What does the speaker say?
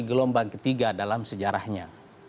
gelombang ketiga dalam sejarahnya